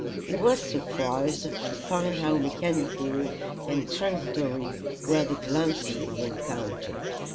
He was surprised to find how mechanical and transitory were the glances he encountered.